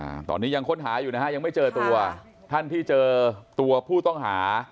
อ่าตอนนี้ยังค้นหาอยู่นะฮะยังไม่เจอตัวท่านที่เจอตัวผู้ต้องหา